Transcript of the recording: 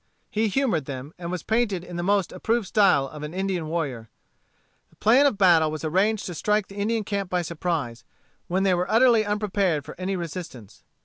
He humored them, and was painted in the most approved style of an Indian warrior. The plan of battle was arranged to strike the Indian camp by surprise, when they were utterly unprepared for any resistance.